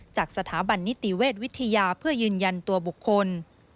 จากสถาบันนิติเวชวิทยาเพื่อยืนยันตัวบุคคล